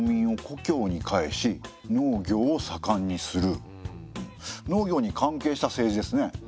松平定信は農業に関係した政治ですね。